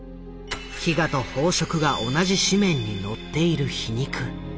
「飢餓と飽食」が同じ紙面に載っている皮肉。